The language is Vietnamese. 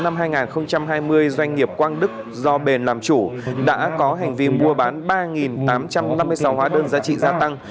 từ năm hai nghìn một mươi bảy đến năm hai nghìn hai mươi doanh nghiệp quang đức do bền làm chủ đã có hành vi mua bán ba tám trăm năm mươi sáu hóa đơn giá trị gia tăng